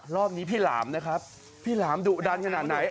รอบนี้พี่หลามนะครับพี่หลามดุดันขนาดไหน